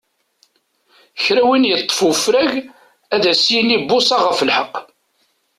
Kra n win iṭṭef ufrag ad s-yini buṣaɣ ɣef lḥeq.